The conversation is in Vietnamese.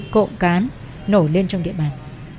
cộng cán nổ lên trong địa bàn